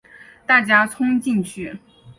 大家冲进去